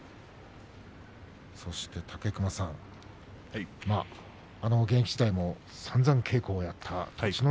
そして武隈さん、現役時代もさんざん稽古をやった栃ノ